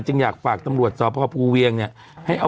อยากฝากตำรวจสพภูเวียงเนี่ยให้เอา